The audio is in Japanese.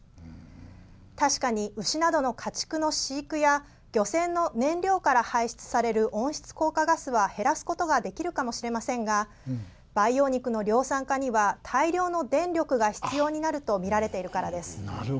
確かに、牛などの家畜の飼育や漁船の燃料から排出される温室効果ガスは減らすことができるかもしれませんが培養肉の量産化には大量の電力が必要になるとみられているからです。